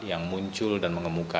yang muncul dan mengemuka